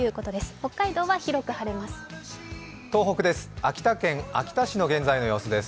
北海道は広く晴れます。